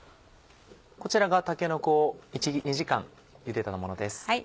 こちらがたけのこを１２時間ゆでたものです。